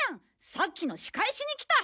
さっきの仕返しに来た！